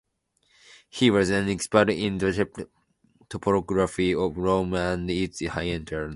He was an expert in the topography of Rome and its hinterland.